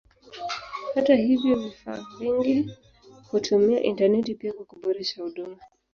Hata hivyo vifaa vingi hutumia intaneti pia kwa kuboresha huduma.